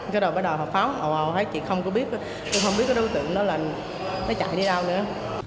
cái đầu bắt đầu pháo hầu hầu thấy chị không có biết không biết cái đối tượng đó là nó chạy đi đâu nữa